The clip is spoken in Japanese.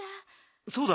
そうだ。